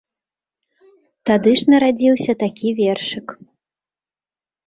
Тады ж нарадзіўся такі вершык.